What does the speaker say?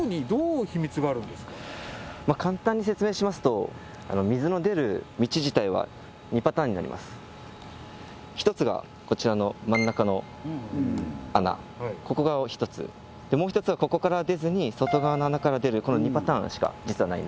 簡単に説明しますと一つがこちらのここが一つもう一つはここから出ずに外側の穴から出るこの２パターンしか実はないんです